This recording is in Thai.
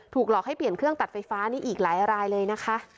หลอกให้เปลี่ยนเครื่องตัดไฟฟ้านี่อีกหลายรายเลยนะคะ